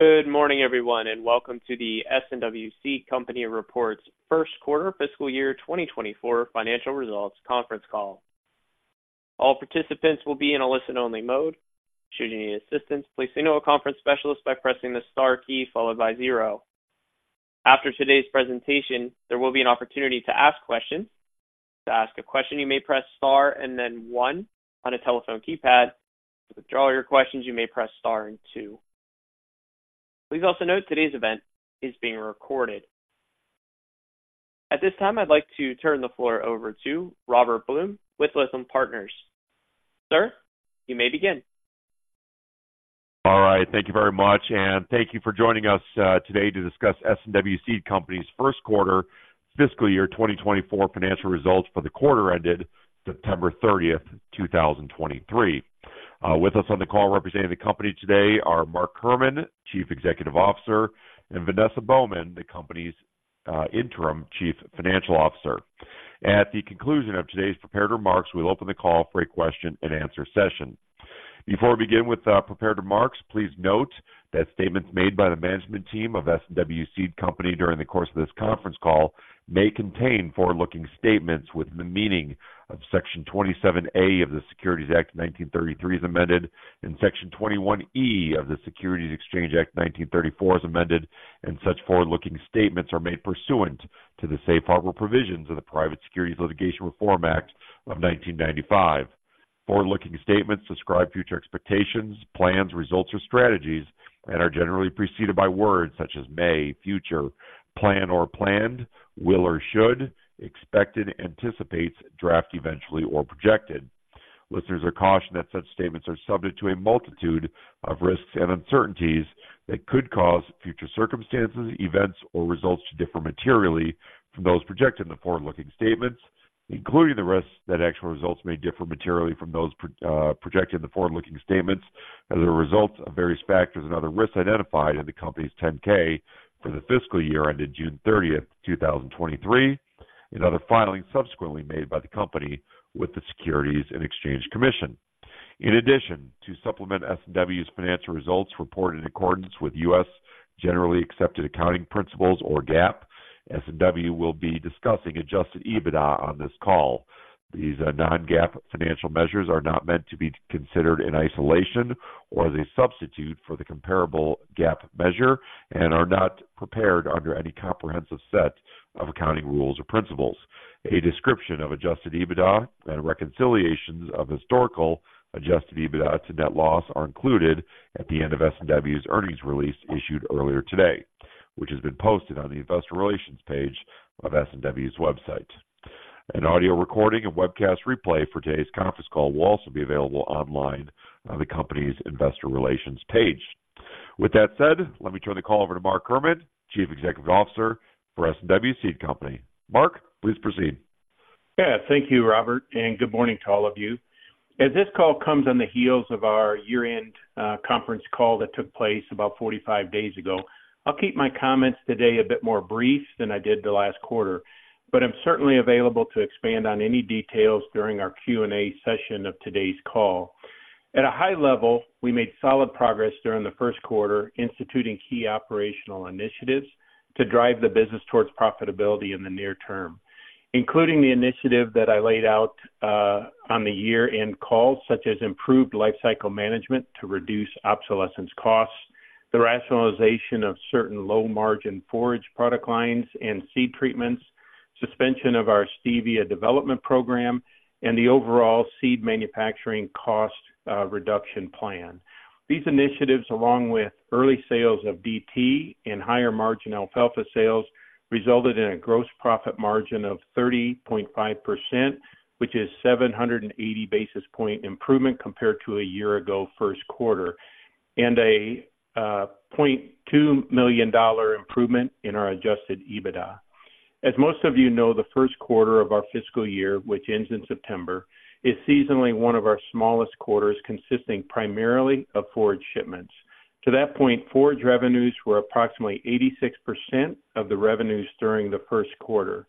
Good morning, everyone, and welcome to the S&W Seed Company Reports first quarter fiscal year 2024 financial results conference call. All participants will be in a listen-only mode. Should you need assistance, please signal a conference specialist by pressing the star key followed by zero. After today's presentation, there will be an opportunity to ask questions. To ask a question, you may press star and then one on a telephone keypad. To withdraw your questions, you may press star and two. Please also note today's event is being recorded. At this time, I'd like to turn the floor over to Robert Blum with Lytham Partners. Sir, you may begin. All right. Thank you very much, and thank you for joining us today to discuss S&W Seed Company's first quarter fiscal year 2024 financial results for the quarter ended September 30, 2023. With us on the call representing the company today are Mark Herrmann, Chief Executive Officer, and Vanessa Baughman, the company's Interim Chief Financial Officer. At the conclusion of today's prepared remarks, we'll open the call for a question-and-answer session. Before we begin with prepared remarks, please note that statements made by the management team of S&W Seed Company during the course of this conference call may contain forward-looking statements within the meaning of Section 27A of the Securities Act of 1933, as amended, and Section 21E of the Securities Exchange Act of 1934, as amended, and such forward-looking statements are made pursuant to the safe harbor provisions of the Private Securities Litigation Reform Act of 1995. Forward-looking statements describe future expectations, plans, results, or strategies and are generally preceded by words such as may, future, plan or planned, will or should, expected, anticipates, draft, eventually, or projected. Listeners are cautioned that such statements are subject to a multitude of risks and uncertainties that could cause future circumstances, events, or results to differ materially from those projected in the forward-looking statements, including the risks that actual results may differ materially from those projected in the forward-looking statements as a result of various factors and other risks identified in the company's 10-K for the fiscal year ended June 30, 2023, and other filings subsequently made by the company with the Securities and Exchange Commission. In addition, to supplement S&W's financial results reported in accordance with U.S. generally accepted accounting principles, or GAAP, S&W will be discussing adjusted EBITDA on this call. These non-GAAP financial measures are not meant to be considered in isolation or as a substitute for the comparable GAAP measure and are not prepared under any comprehensive set of accounting rules or principles. A description of Adjusted EBITDA and reconciliations of historical Adjusted EBITDA to net loss are included at the end of S&W's earnings release issued earlier today, which has been posted on the investor relations page of S&W's website. An audio recording and webcast replay for today's conference call will also be available online on the company's investor relations page. With that said, let me turn the call over to Mark Herrmann, Chief Executive Officer for S&W Seed Company. Mark, please proceed. Yeah. Thank you, Robert, and good morning to all of you. As this call comes on the heels of our year-end conference call that took place about 45 days ago, I'll keep my comments today a bit more brief than I did the last quarter, but I'm certainly available to expand on any details during our Q&A session of today's call. At a high level, we made solid progress during the first quarter, instituting key operational initiatives to drive the business towards profitability in the near term, including the initiative that I laid out on the year-end call, such as improved lifecycle management to reduce obsolescence costs, the rationalization of certain low-margin forage product lines and seed treatments, suspension of our stevia development program, and the overall seed manufacturing cost reduction plan. These initiatives, along with early sales of DT and higher-margin alfalfa sales, resulted in a gross profit margin of 30.5%, which is a 780 basis point improvement compared to a year-ago first quarter, and a $0.2 million improvement in our Adjusted EBITDA. As most of you know, the first quarter of our fiscal year, which ends in September, is seasonally one of our smallest quarters, consisting primarily of forage shipments. To that point, forage revenues were approximately 86% of the revenues during the first quarter.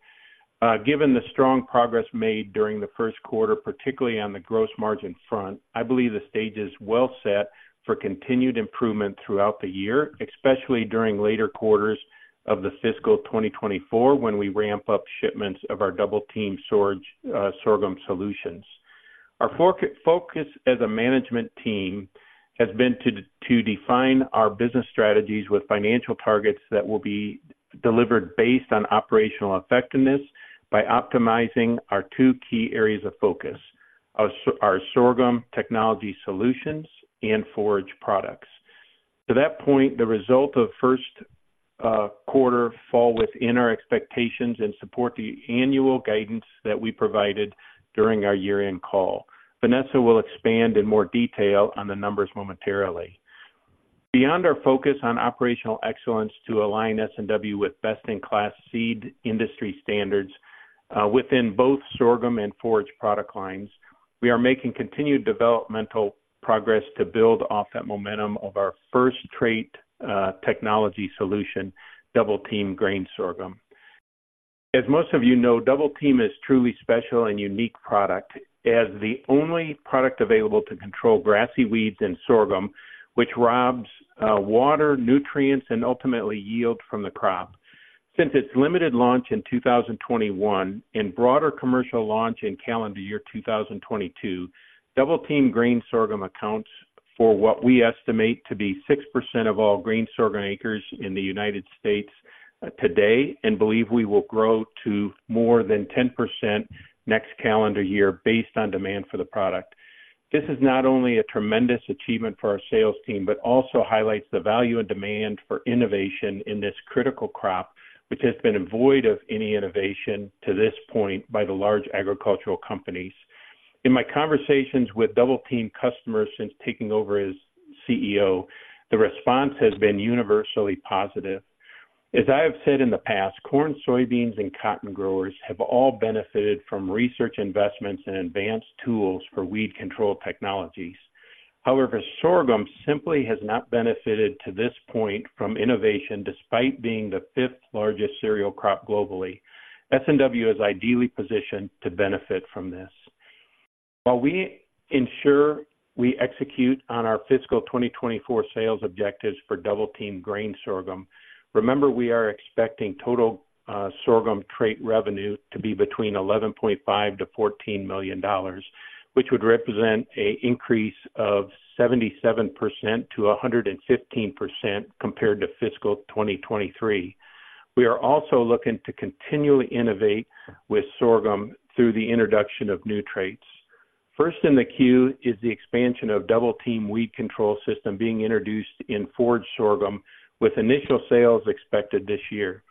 Given the strong progress made during the first quarter, particularly on the gross margin front, I believe the stage is well set for continued improvement throughout the year, especially during later quarters of the fiscal 2024, when we ramp up shipments of our Double Team sorghum solutions. Our focus as a management team has been to define our business strategies with financial targets that will be delivered based on operational effectiveness by optimizing our two key areas of focus: our sorghum technology solutions and forage products. To that point, the result of first quarter falls within our expectations and support the annual guidance that we provided during our year-end call. Vanessa will expand in more detail on the numbers momentarily. Beyond our focus on operational excellence to align S&W with best-in-class seed industry standards, within both sorghum and forage product lines, we are making continued developmental progress to build off that momentum of our first trait, technology solution, Double Team grain sorghum. As most of you know, Double Team is truly special and unique product as the only product available to control grassy weeds and sorghum, which robs, water, nutrients, and ultimately yield from the crop. Since its limited launch in 2021 and broader commercial launch in calendar year 2022, Double Team grain sorghum accounts for what we estimate to be 6% of all grain sorghum acres in the United States today, and believe we will grow to more than 10% next calendar year based on demand for the product. This is not only a tremendous achievement for our sales team, but also highlights the value and demand for innovation in this critical crop, which has been devoid of any innovation to this point by the large agricultural companies. In my conversations with Double Team customers since taking over as CEO, the response has been universally positive. As I have said in the past, corn, soybeans, and cotton growers have all benefited from research investments and advanced tools for weed control technologies. However, sorghum simply has not benefited to this point from innovation, despite being the fifth largest cereal crop globally. S&W is ideally positioned to benefit from this. While we ensure we execute on our fiscal 2024 sales objectives for Double Team grain sorghum, remember, we are expecting total sorghum trait revenue to be between $11.5 million-$14 million, which would represent an increase of 77%-115% compared to fiscal 2023. We are also looking to continually innovate with sorghum through the introduction of new traits. First in the queue is the expansion of Double Team weed control system being introduced in forage sorghum, with initial sales expected this year.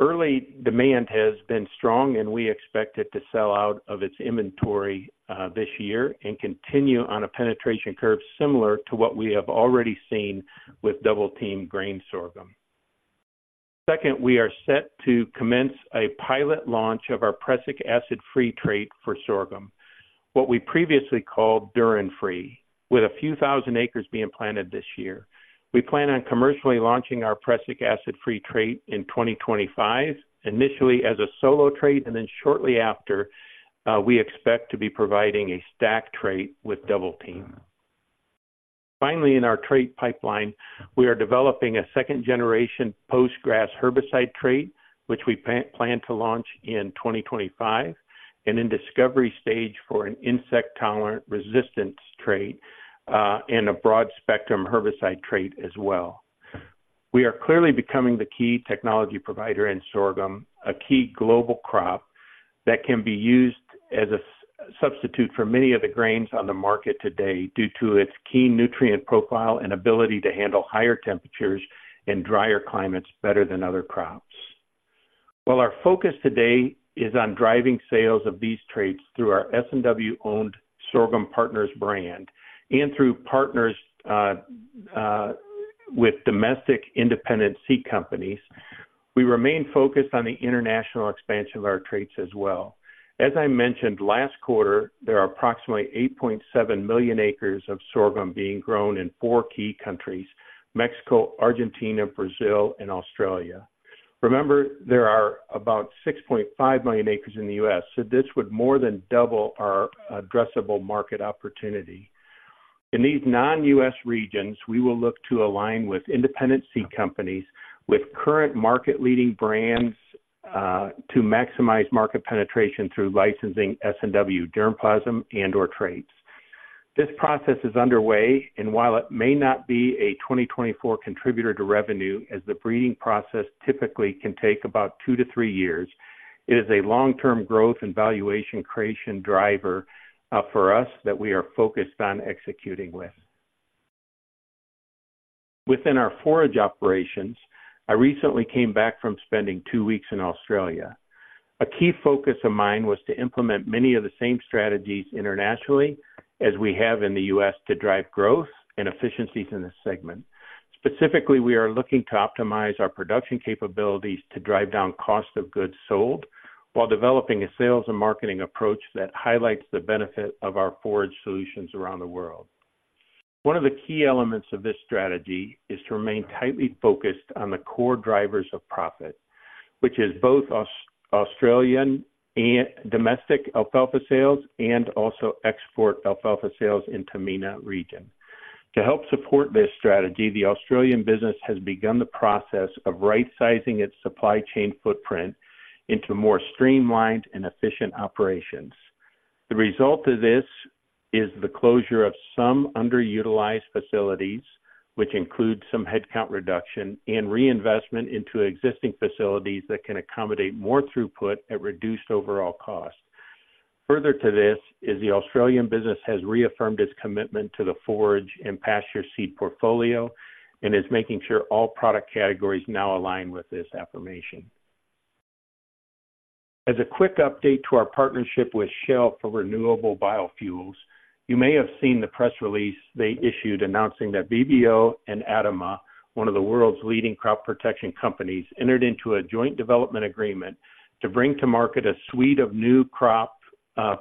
Early demand has been strong, and we expect it to sell out of its inventory this year and continue on a penetration curve similar to what we have already seen with Double Team grain sorghum. Second, we are set to commence a pilot launch of our Prussic Acid-Free Trait for sorghum, what we previously called Dhurrin Free, with a few thousand acres being planted this year. We plan on commercially launching our Prussic Acid-Free Trait in 2025, initially as a solo trait, and then shortly after, we expect to be providing a stacked trait with Double Team. Finally, in our trait pipeline, we are developing a second-generation postgrass herbicide trait, which we plan to launch in 2025, and in discovery stage for an insect-tolerant resistance trait, and a broad-spectrum herbicide trait as well. We are clearly becoming the key technology provider in sorghum, a key global crop that can be used as a substitute for many of the grains on the market today, due to its key nutrient profile and ability to handle higher temperatures and drier climates better than other crops. While our focus today is on driving sales of these traits through our S&W-owned Sorghum Partners brand and through partners with domestic independent seed companies, we remain focused on the international expansion of our traits as well. As I mentioned last quarter, there are approximately 8.7 million acres of sorghum being grown in four key countries: Mexico, Argentina, Brazil, and Australia. Remember, there are about 6.5 million acres in the U.S., so this would more than double our addressable market opportunity. In these non-U.S. regions, we will look to align with independent seed companies with current market-leading brands, to maximize market penetration through licensing S&W germplasm and/or traits. This process is underway, and while it may not be a 2024 contributor to revenue, as the breeding process typically can take about 2-3 years, it is a long-term growth and valuation creation driver, for us that we are focused on executing with. Within our forage operations, I recently came back from spending two weeks in Australia. A key focus of mine was to implement many of the same strategies internationally as we have in the U.S. to drive growth and efficiencies in this segment. Specifically, we are looking to optimize our production capabilities to drive down cost of goods sold, while developing a sales and marketing approach that highlights the benefit of our forage solutions around the world. One of the key elements of this strategy is to remain tightly focused on the core drivers of profit, which is both Australian and domestic alfalfa sales and also export alfalfa sales in MENA region. To help support this strategy, the Australian business has begun the process of right-sizing its supply chain footprint into more streamlined and efficient operations. The result of this is the closure of some underutilized facilities, which include some headcount reduction and reinvestment into existing facilities that can accommodate more throughput at reduced overall cost. Further to this, the Australian business has reaffirmed its commitment to the forage and pasture seed portfolio and is making sure all product categories now align with this affirmation. As a quick update to our partnership with Shell for renewable biofuels, you may have seen the press release they issued announcing that VBO and ADAMA, one of the world's leading crop protection companies, entered into a joint development agreement to bring to market a suite of new crop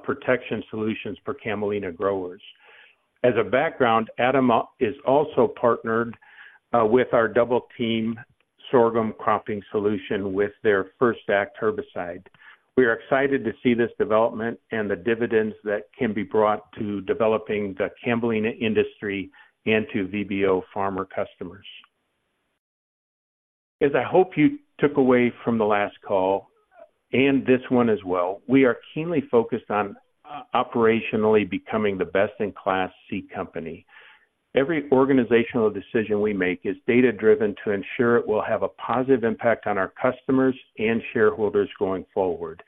protection solutions for camelina growers. As a background, ADAMA is also partnered with our Double Team sorghum cropping solution with their FirstAct herbicide. We are excited to see this development and the dividends that can be brought to developing the camelina industry and to VBO farmer customers. As I hope you took away from the last call and this one as well, we are keenly focused on operationally becoming the best-in-class seed company. Every organizational decision we make is data-driven to ensure it will have a positive impact on our customers and shareholders going forward.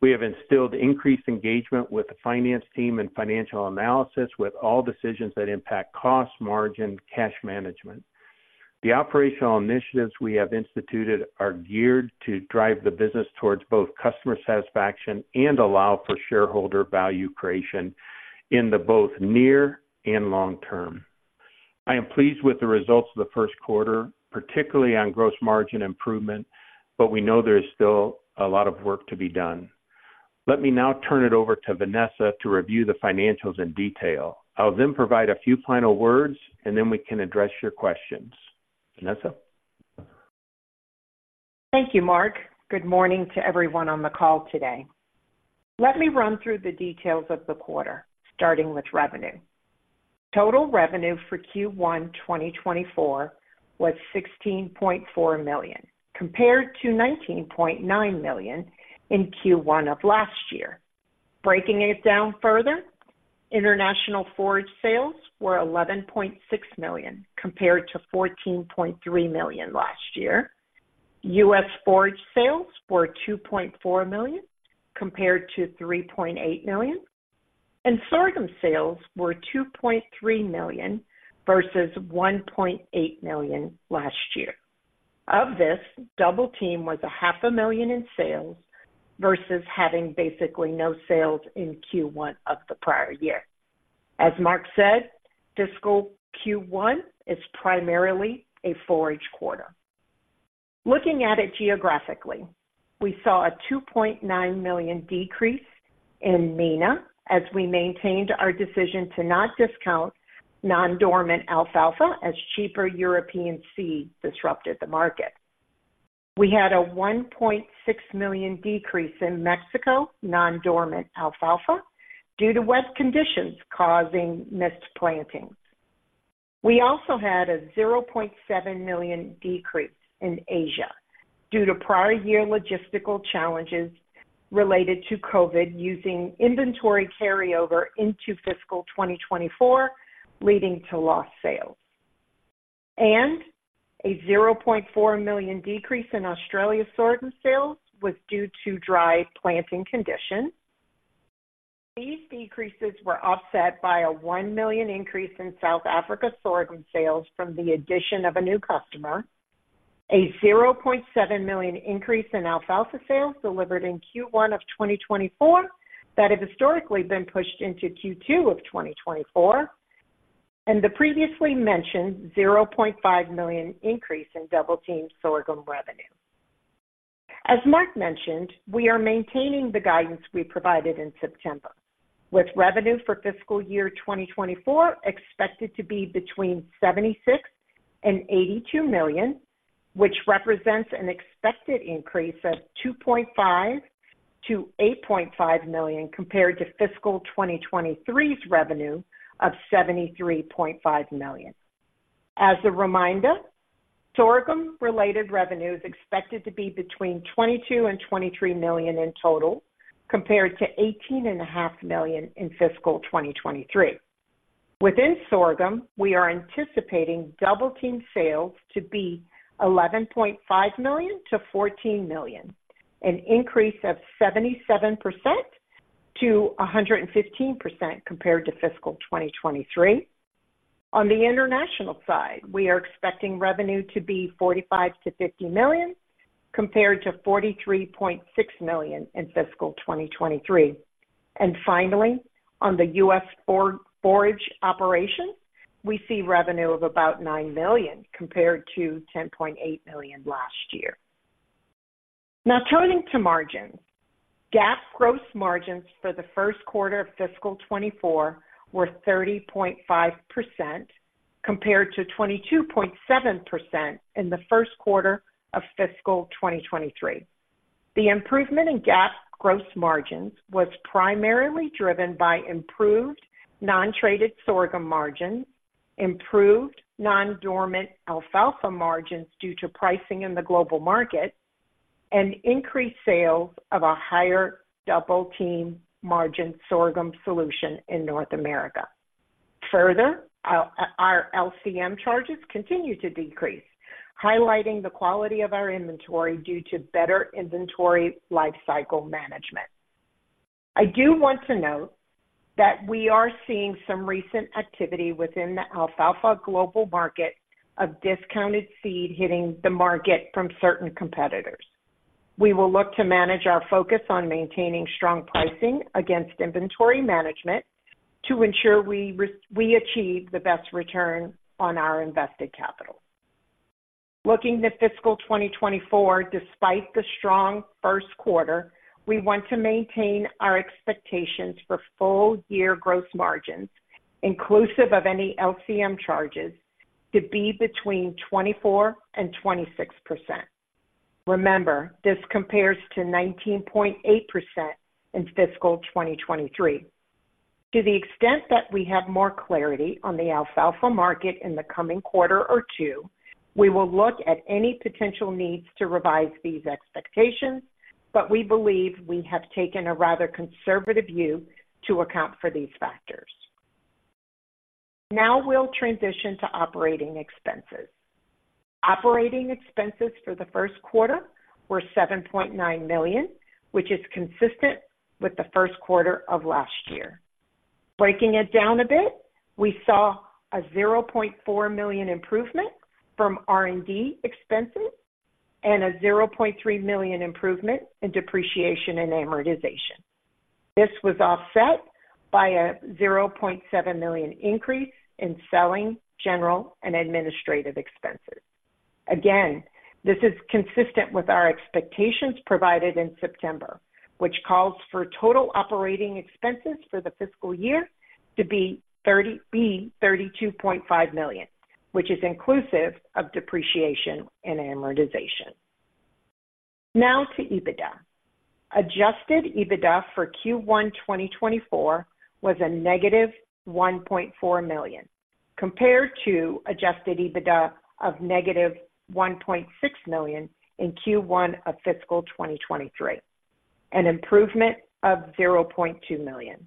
We have instilled increased engagement with the finance team and financial analysis with all decisions that impact cost, margin, cash management. The operational initiatives we have instituted are geared to drive the business towards both customer satisfaction and allow for shareholder value creation in the both near and long term. I am pleased with the results of the first quarter, particularly on gross margin improvement, but we know there is still a lot of work to be done. Let me now turn it over to Vanessa to review the financials in detail. I'll then provide a few final words, and then we can address your questions. Vanessa? Thank you, Mark. Good morning to everyone on the call today. Let me run through the details of the quarter, starting with revenue. Total revenue for Q1 2024 was $16.4 million, compared to $19.9 million in Q1 of last year. Breaking it down further, international forage sales were $11.6 million, compared to $14.3 million last year. U.S. forage sales were $2.4 million, compared to $3.8 million, and sorghum sales were $2.3 million versus $1.8 million last year. Of this, Double Team was $500,000 in sales versus having basically no sales in Q1 of the prior year. As Mark said, fiscal Q1 is primarily a forage quarter. Looking at it geographically, we saw a $2.9 million decrease in MENA as we maintained our decision to not discount non-dormant alfalfa as cheaper European seed disrupted the market. We had a $1.6 million decrease in Mexico, non-dormant alfalfa, due to wet conditions causing missed plantings. We also had a $0.7 million decrease in Asia due to prior year logistical challenges related to COVID, using inventory carryover into fiscal 2024, leading to lost sales. A $0.4 million decrease in Australia sorghum sales was due to dry planting conditions. These decreases were offset by a $1 million increase in South Africa sorghum sales from the addition of a new customer, a $0.7 million increase in alfalfa sales delivered in Q1 of 2024, that have historically been pushed into Q2 of 2024, and the previously mentioned $0.5 million increase in Double Team sorghum revenue. As Mark mentioned, we are maintaining the guidance we provided in September, with revenue for fiscal year 2024 expected to be between $76 million-$82 million, which represents an expected increase of $2.5 million-$8.5 million, compared to fiscal 2023's revenue of $73.5 million. As a reminder, sorghum-related revenue is expected to be between $22 million-$23 million in total, compared to $18.5 million in fiscal 2023. Within sorghum, we are anticipating Double Team sales to be $11.5 million-$14 million, an increase of 77%-115% compared to fiscal 2023. On the international side, we are expecting revenue to be $45 million-$50 million, compared to $43.6 million in fiscal 2023. And finally, on the U.S. forage operation, we see revenue of about $9 million, compared to $10.8 million last year. Now turning to margins. GAAP gross margins for the first quarter of fiscal 2024 were 30.5%, compared to 22.7% in the first quarter of fiscal 2023. The improvement in GAAP gross margins was primarily driven by improved non-traded sorghum margins, improved non-dormant alfalfa margins due to pricing in the global market, and increased sales of a higher Double Team margin sorghum solution in North America. Further, our LCM charges continue to decrease, highlighting the quality of our inventory due to better inventory lifecycle management. I do want to note that we are seeing some recent activity within the alfalfa global market of discounted seed hitting the market from certain competitors. We will look to manage our focus on maintaining strong pricing against inventory management to ensure we achieve the best return on our invested capital. Looking to fiscal 2024, despite the strong first quarter, we want to maintain our expectations for full year growth margins, inclusive of any LCM charges, to be between 24% and 26%. Remember, this compares to 19.8% in fiscal 2023. To the extent that we have more clarity on the alfalfa market in the coming quarter or two, we will look at any potential needs to revise these expectations, but we believe we have taken a rather conservative view to account for these factors. Now we'll transition to operating expenses. Operating expenses for the first quarter were $7.9 million, which is consistent with the first quarter of last year. Breaking it down a bit, we saw a $0.4 million improvement from R&D expenses and a $0.3 million improvement in depreciation and amortization. This was offset by a $0.7 million increase in selling, general, and administrative expenses. Again, this is consistent with our expectations provided in September, which calls for total operating expenses for the fiscal year to be $32.5 million, which is inclusive of depreciation and amortization. Now to EBITDA. Adjusted EBITDA for Q1 2024 was -$1.4 million, compared to adjusted EBITDA of -$1.6 million in Q1 of fiscal 2023, an improvement of $0.2 million.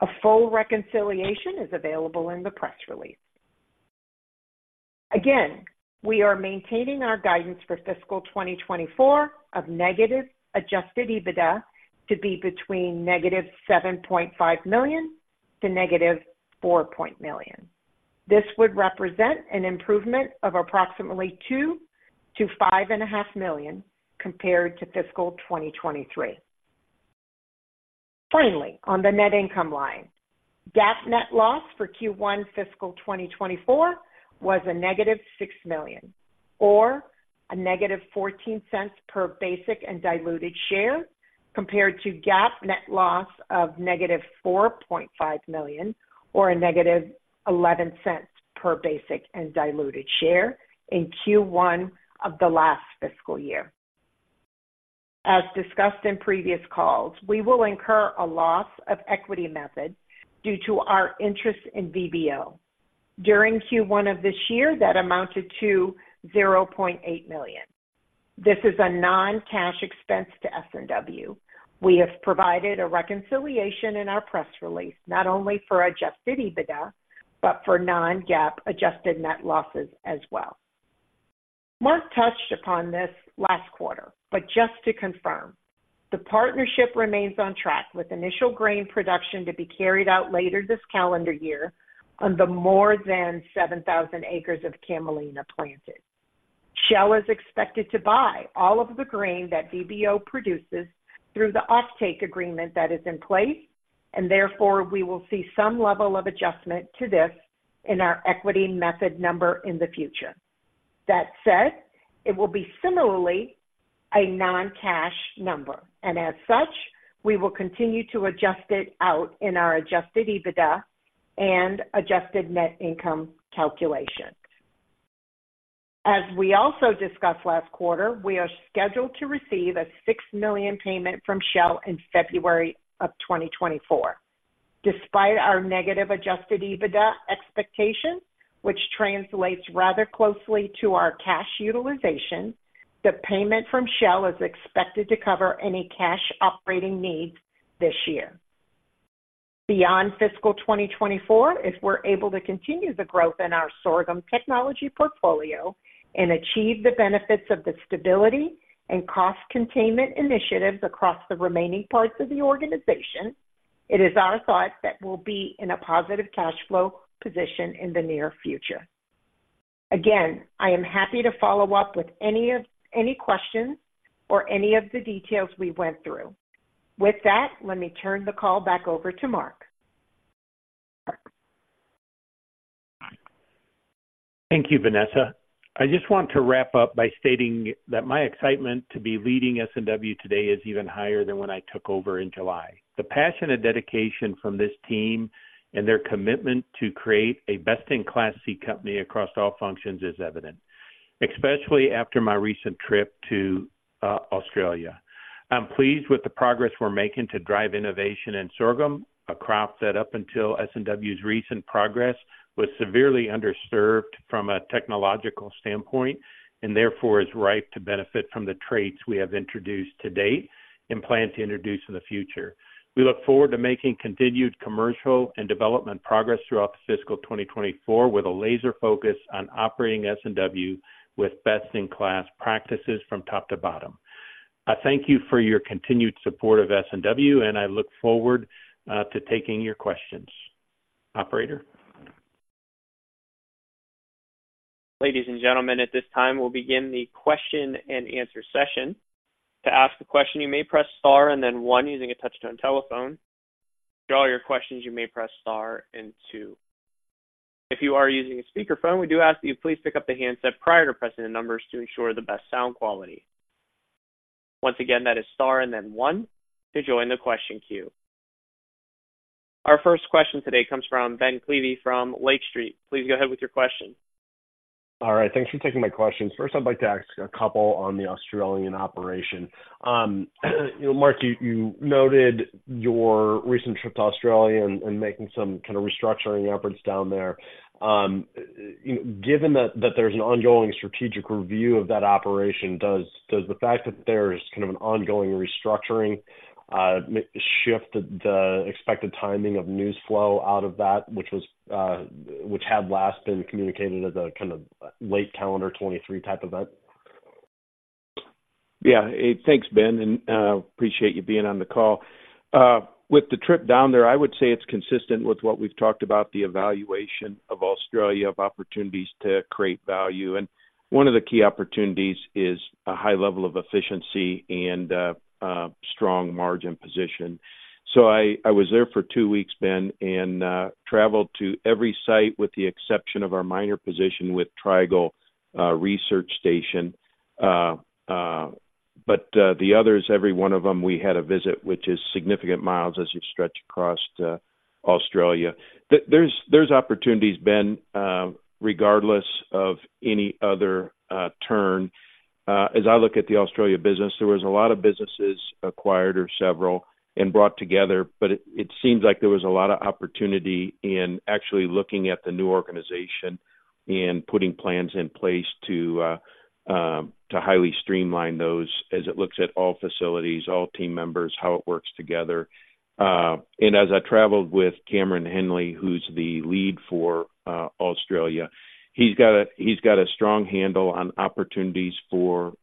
A full reconciliation is available in the press release. Again, we are maintaining our guidance for fiscal 2024 of negative adjusted EBITDA to be between -$7.5 million to -$4 million. This would represent an improvement of approximately $2 million-$5.5 million compared to fiscal 2023. Finally, on the net income line, GAAP net loss for Q1 fiscal 2024 was a -$6 million, or a -$0.14 per basic and diluted share, compared to GAAP net loss of -$4.5 million, or a -$0.11 per basic and diluted share in Q1 of the last fiscal year. As discussed in previous calls, we will incur a loss of Equity Method due to our interest in VBO. During Q1 of this year, that amounted to $0.8 million. This is a non-cash expense to S&W. We have provided a reconciliation in our press release, not only for Adjusted EBITDA, but for non-GAAP adjusted net losses as well. Mark touched upon this last quarter, but just to confirm, the partnership remains on track, with initial grain production to be carried out later this calendar year on the more than 7,000 acres of camelina planted. Shell is expected to buy all of the grain that VBO produces through the offtake agreement that is in place, and therefore we will see some level of adjustment to this in our equity method number in the future. That said, it will be similarly a non-cash number, and as such, we will continue to adjust it out in our Adjusted EBITDA and adjusted net income calculations. As we also discussed last quarter, we are scheduled to receive a $6 million payment from Shell in February of 2024. Despite our negative Adjusted EBITDA expectations, which translates rather closely to our cash utilization, the payment from Shell is expected to cover any cash operating needs this year. Beyond fiscal 2024, if we're able to continue the growth in our sorghum technology portfolio and achieve the benefits of the stability and cost containment initiatives across the remaining parts of the organization, it is our thought that we'll be in a positive cash flow position in the near future. Again, I am happy to follow up with any questions or any of the details we went through. With that, let me turn the call back over to Mark. Thank you, Vanessa. I just want to wrap up by stating that my excitement to be leading S&W today is even higher than when I took over in July. The passion and dedication from this team and their commitment to create a best-in-class seed company across all functions is evident, especially after my recent trip to Australia. I'm pleased with the progress we're making to drive innovation in sorghum, a crop that, up until S&W's recent progress, was severely underserved from a technological standpoint and therefore is ripe to benefit from the traits we have introduced to date and plan to introduce in the future. We look forward to making continued commercial and development progress throughout the fiscal 2024, with a laser focus on operating S&W with best-in-class practices from top to bottom. I thank you for your continued support of S&W, and I look forward to taking your questions. Operator? Ladies and gentlemen, at this time, we'll begin the question-and-answer session. To ask a question, you may press star, then one using a touch-tone telephone.... To end all your questions, you may press star, two. If you are using a speakerphone, we do ask that you please pick up the handset prior to pressing the numbers to ensure the best sound quality. Once again, that is star, then one to join the question queue. Our first question today comes from Ben Klieve from Lake Street. Please go ahead with your question. All right. Thanks for taking my questions. First, I'd like to ask a couple on the Australian operation. You know, Mark, you, you noted your recent trip to Australia and, and making some kind of restructuring efforts down there. Given that, that there's an ongoing strategic review of that operation, does, does the fact that there's kind of an ongoing restructuring shift the, the expected timing of news flow out of that, which was, which had last been communicated as a kind of late calendar 2023 type event? Yeah. Thanks, Ben, and appreciate you being on the call. With the trip down there, I would say it's consistent with what we've talked about, the evaluation of Australia, of opportunities to create value. And one of the key opportunities is a high level of efficiency and strong margin position. So I was there for two weeks, Ben, and traveled to every site with the exception of our minor position with Trangie Research Station. But the others, every one of them, we had a visit, which is significant miles as you stretch across to Australia. There's opportunities, Ben, regardless of any other turn. As I look at the Australia business, there was a lot of businesses acquired or several and brought together, but it seems like there was a lot of opportunity in actually looking at the new organization and putting plans in place to highly streamline those as it looks at all facilities, all team members, how it works together. And as I traveled with Cameron Henley, who's the lead for Australia, he's got a strong handle on opportunities for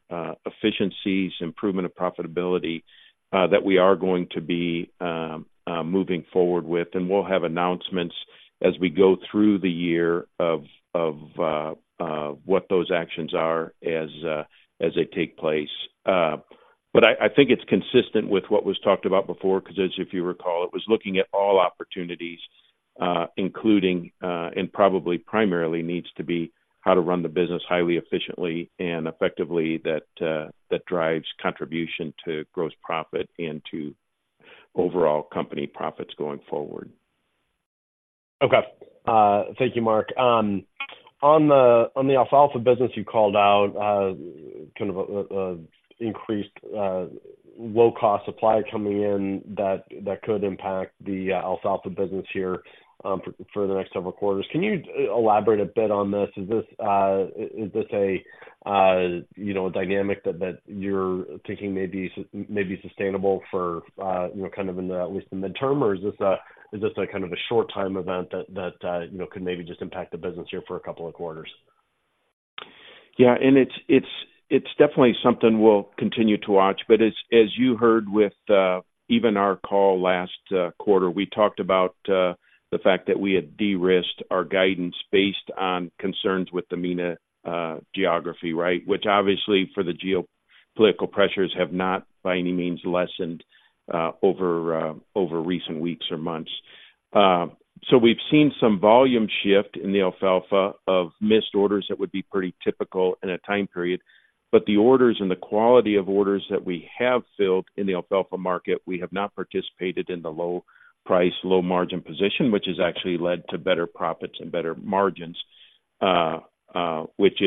efficiencies, improvement of profitability, that we are going to be moving forward with. And we'll have announcements as we go through the year of what those actions are as they take place. But I think it's consistent with what was talked about before, because as if you recall, it was looking at all opportunities, including, and probably primarily needs to be how to run the business highly efficiently and effectively, that drives contribution to gross profit and to overall company profits going forward. Okay. Thank you, Mark. On the alfalfa business, you called out kind of a increased low-cost supply coming in that could impact the alfalfa business here for the next several quarters. Can you elaborate a bit on this? Is this a you know, a dynamic that you're thinking may be sustainable for you know, kind of in the at least the midterm? Or is this a kind of a short time event that you know, could maybe just impact the business here for a couple of quarters? Yeah, and it's definitely something we'll continue to watch, but as you heard with even our call last quarter, we talked about the fact that we had de-risked our guidance based on concerns with the MENA geography, right? Which obviously, for the geopolitical pressures, have not by any means lessened over recent weeks or months. So we've seen some volume shift in the alfalfa of missed orders that would be pretty typical in a time period. But the orders and the quality of orders that we have filled in the alfalfa market, we have not participated in the low price, low margin position, which has actually led to better profits and better margins, which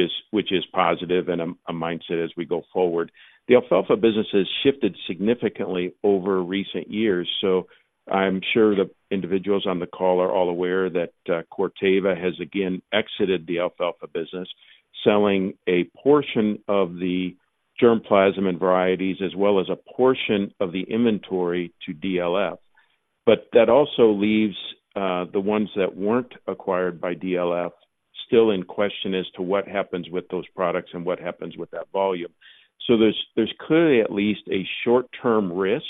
is positive and a mindset as we go forward. The alfalfa business has shifted significantly over recent years. So I'm sure the individuals on the call are all aware that, Corteva has again exited the alfalfa business, selling a portion of the germplasm and varieties, as well as a portion of the inventory to DLF. But that also leaves, the ones that weren't acquired by DLF still in question as to what happens with those products and what happens with that volume. So there's, there's clearly at least a short-term risk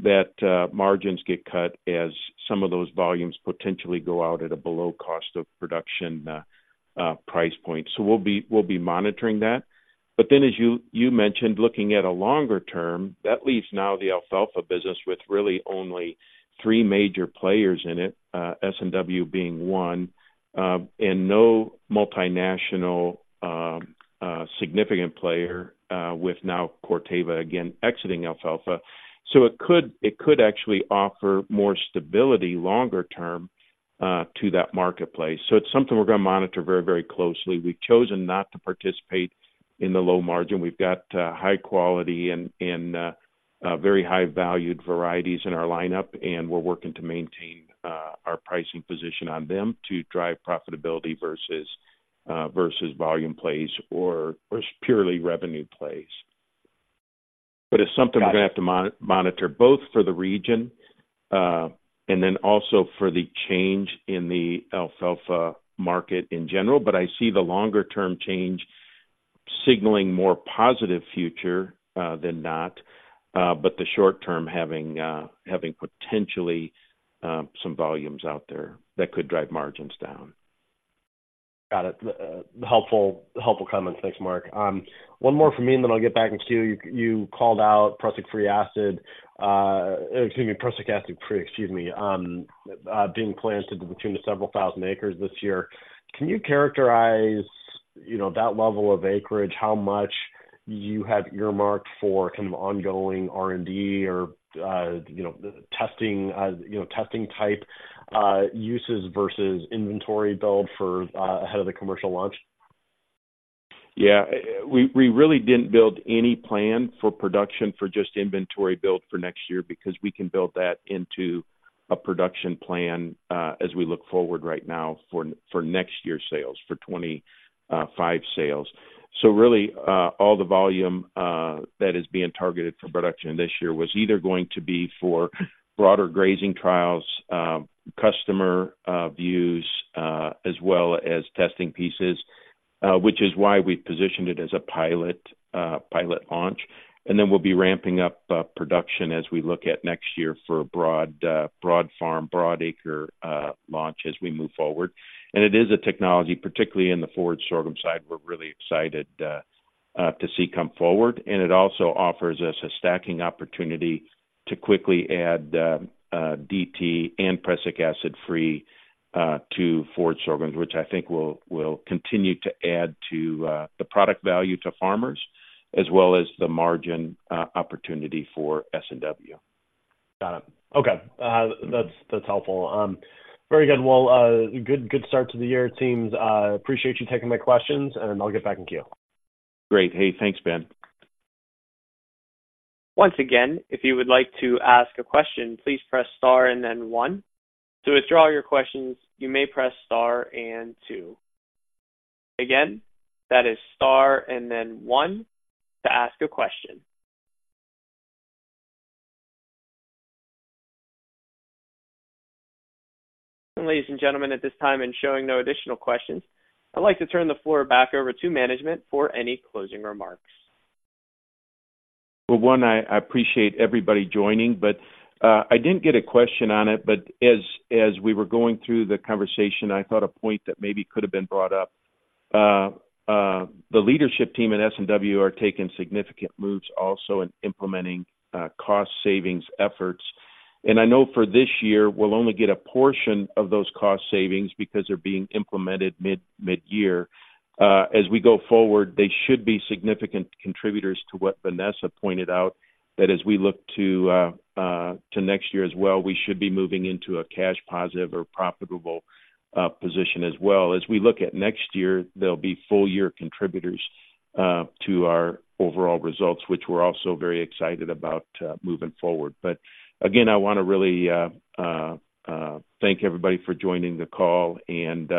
that, margins get cut as some of those volumes potentially go out at a below cost of production, price point. So we'll be, we'll be monitoring that. But then, as you, you mentioned, looking at a longer term, that leaves now the alfalfa business with really only three major players in it, S&W being one, and no multinational, significant player, with now Corteva again exiting alfalfa. So it could, it could actually offer more stability longer term to that marketplace. So it's something we're going to monitor very, very closely. We've chosen not to participate in the low margin. We've got high quality and very high valued varieties in our lineup, and we're working to maintain our pricing position on them to drive profitability versus volume plays or just purely revenue plays. But it's something we're going to have to monitor, both for the region, and then also for the change in the alfalfa market in general. But I see the longer-term change signaling more positive future than not, but the short term having potentially some volumes out there that could drive margins down. Got it. Helpful, helpful comments. Thanks, Mark. One more from me, and then I'll get back into you. You called out prussic free acid, excuse me, prussic acid free, excuse me, being planted between the several thousand acres this year. Can you characterize, you know, that level of acreage, how much you have earmarked for kind of ongoing R&D or, you know, testing, you know, testing type, uses versus inventory build for, ahead of the commercial launch? Yeah, we really didn't build any plan for production for just inventory build for next year because we can build that into a production plan as we look forward right now for next year's sales, for 2025 sales. So really all the volume that is being targeted for production this year was either going to be for broader grazing trials, customer views, as well as testing pieces, which is why we positioned it as a pilot launch. And then we'll be ramping up production as we look at next year for a broad farm, broad acre launch as we move forward. And it is a technology, particularly in the forage sorghum side, we're really excited to see come forward. It also offers us a stacking opportunity to quickly add DT and prussic acid-free to forage sorghums, which I think will continue to add to the product value to farmers as well as the margin opportunity for S&W. Got it. Okay, that's, that's helpful. Very good. Well, good, good start to the year, teams. Appreciate you taking my questions, and I'll get back in queue. Great. Hey, thanks, Ben. Once again, if you would like to ask a question, please press star and then one. To withdraw your questions, you may press star and two. Again, that is star and then one to ask a question. Ladies and gentlemen, at this time and showing no additional questions, I'd like to turn the floor back over to management for any closing remarks. Well, one, I appreciate everybody joining, but I didn't get a question on it, but as we were going through the conversation, I thought a point that maybe could have been brought up. The leadership team at S&W are taking significant moves also in implementing cost savings efforts. And I know for this year, we'll only get a portion of those cost savings because they're being implemented mid-year. As we go forward, they should be significant contributors to what Vanessa pointed out, that as we look to next year as well, we should be moving into a cash positive or profitable position as well. As we look at next year, they'll be full-year contributors to our overall results, which we're also very excited about moving forward. But again, I want to really thank everybody for joining the call and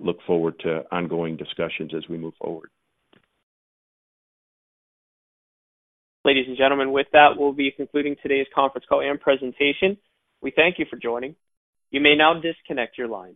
look forward to ongoing discussions as we move forward. Ladies and gentlemen, with that, we'll be concluding today's conference call and presentation. We thank you for joining. You may now disconnect your lines.